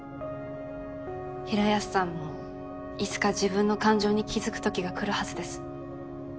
平安さんもいつか自分の感情に気付くときがくるはずです。